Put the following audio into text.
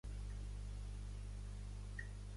Kleopatra té una forma inusual.